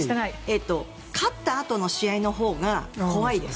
勝ったあとの試合のほうが怖いです。